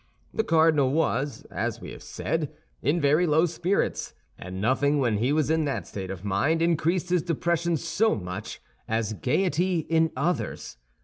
The cardinal was, as we have said, in very low spirits; and nothing when he was in that state of mind increased his depression so much as gaiety in others.